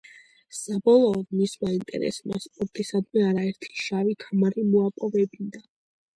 საბოლოოდ, მისმა ინტერესმა სპორტისადმი არაერთი შავი ქამარი მოაპოვებინა.